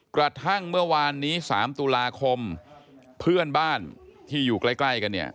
กระทั่งเมื่อวานนี้๓ตุลาคมเพื่อนบ้านที่อยู่ใกล้กันเนี่ย